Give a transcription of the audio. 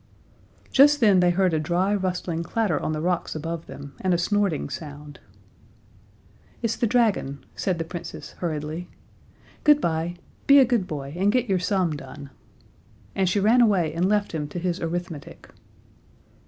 Just then they heard a dry, rustling clatter on the rocks above them and a snorting sound. "It's the dragon," said the Princess hurriedly. "Good bye. Be a good boy, and get your sum done." And she ran away and left him to his arithmetic.